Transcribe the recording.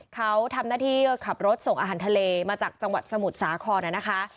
เขาทำหน้าที่ขับรถส่งอาหารทะเลมาจากจังหวัดสมุทรสาครนะคะ